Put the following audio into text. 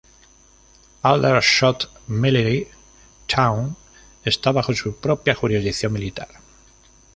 Aldershot Military Town está bajo su propia jurisdicción militar.